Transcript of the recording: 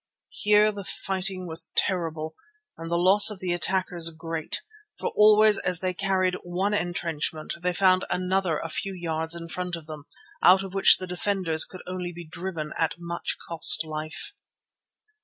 Here the fighting was terrible and the loss of the attackers great, for always as they carried one entrenchment they found another a few yards in front of them, out of which the defenders could only be driven at much cost of life.